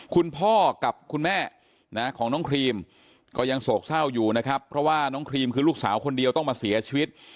คุณพ่อกับคุณแม่ของน้องครีมก็ยังโศกเศร้าอยู่นะครับเพราะว่าน้องครีมคือลูกสาวคนเดียวต้องมาเสียชีวิต